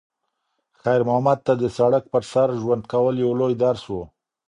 خیر محمد ته د سړک پر سر ژوند کول یو لوی درس و.